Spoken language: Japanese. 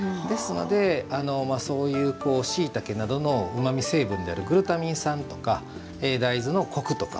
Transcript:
ですので、そういうしいたけなどのうまみ成分であるグルタミン酸とか大豆のコクとか。